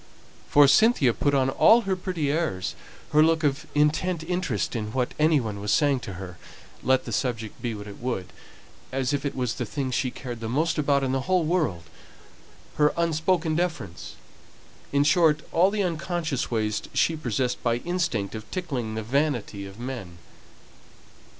For Cynthia put on all her pretty airs her look of intent interest in what any one was saying to her, let the subject be what it would, as if it was the thing she cared most about in the whole world; her unspoken deference; in short, all the unconscious ways she possessed by instinct of tickling the vanity of men.